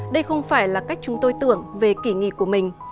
đây không phải là cách chúng tôi tưởng về kỷ nghị của mình